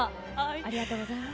ありがとうございます。